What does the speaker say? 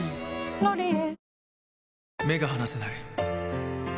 「ロリエ」